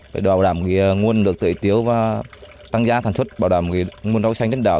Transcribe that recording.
để bảo đảm nguồn nước tưới tiếu và tăng giá sản xuất bảo đảm nguồn rau xanh trên đảo